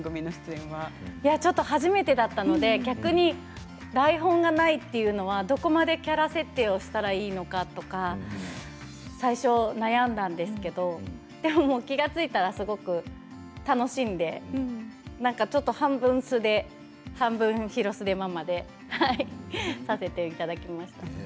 初めてだったので台本がないというのはどこまでキャラ設定をしたらいいのかとか最初、悩んだんですけれどでも気が付いたらすごく楽しんでちょっと半分を素で半分ヒロスデママでさせていただきました。